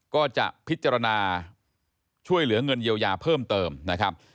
ก็จะพิจารณาช่วยเหลือเงินเยียวยาเพิ่มเติมนะครับ